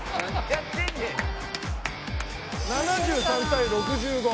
７３対６５。